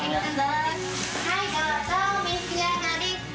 呂どうぞ召し上がれ。